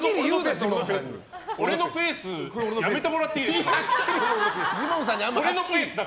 俺のペース、やめてもらっていいですか？